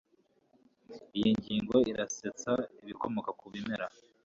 Iyi ngingo irasetsa ibikomoka ku bimera.